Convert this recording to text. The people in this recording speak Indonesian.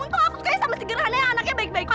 tunggu aku suka sama si gerhana yang anaknya baik baik